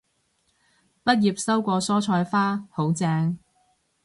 畢業收過蔬菜花，好正